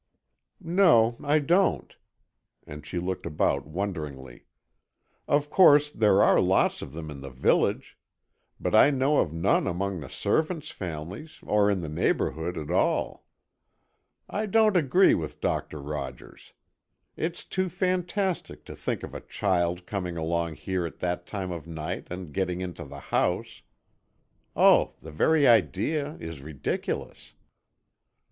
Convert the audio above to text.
"No, I don't," and she looked about wonderingly. "Of course, there are lots of them in the village, but I know of none among the servants' families or in the neighbourhood at all. I don't agree with Doctor Rogers. It's too fantastic to think of a child coming along here at that time of night and getting into the house——Oh, the very idea is ridiculous."